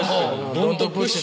ドントプッシュ。